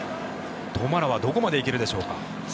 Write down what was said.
トマラはどこまで行けるでしょうか。